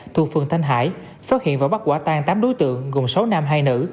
thuộc phường thanh hải phát hiện và bắt quả tan tám đối tượng gồm sáu nam hai nữ